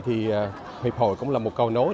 thì huyệp hội cũng là một cầu nối